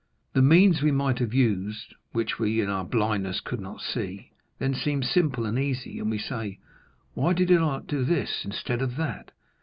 The means we might have used, which we in our blindness could not see, then seem simple and easy, and we say, 'Why did I not do this, instead of that?